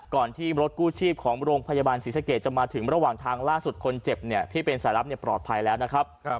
ที่รถกู้ชีพของโรงพยาบาลศรีสะเกดจะมาถึงระหว่างทางล่าสุดคนเจ็บเนี่ยที่เป็นสายลับปลอดภัยแล้วนะครับ